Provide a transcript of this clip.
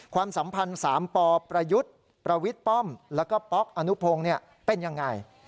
ความสัมพันธ์๓ปประยุทธ์ประวิทย์ป้อมแล้วก็ป๊อกอนุพงศ์เป็นยังไง